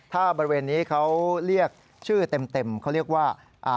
ถ้าบริเวณนี้เขาเรียกชื่อเต็มเขาเรียกว่า